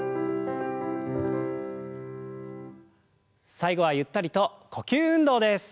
最後はゆったりと呼吸運動です。